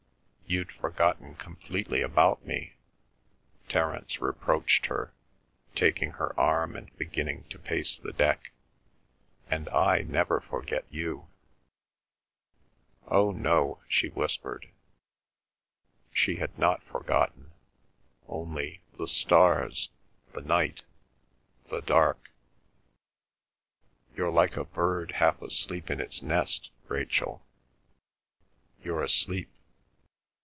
"You'd forgotten completely about me," Terence reproached her, taking her arm and beginning to pace the deck, "and I never forget you." "Oh, no," she whispered, she had not forgotten, only the stars—the night—the dark— "You're like a bird half asleep in its nest, Rachel. You're asleep.